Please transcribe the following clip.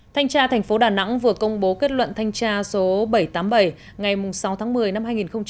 thanh tra thành phố đà nẵng vừa công bố kết luận thanh tra số bảy trăm tám mươi bảy ngày sáu tháng một mươi năm hai nghìn một mươi chín